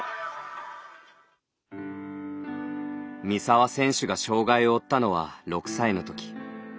三澤選手が障がいを負ったのは６歳のとき。